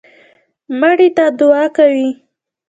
مړي ته دعا کوئ